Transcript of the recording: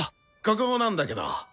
ここなんだけど。